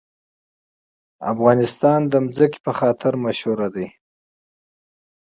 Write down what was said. افغانستان د ځمکه لپاره مشهور دی.